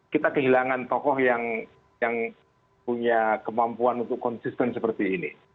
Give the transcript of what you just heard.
kita kehilangan tokoh yang punya kemampuan untuk konsisten seperti ini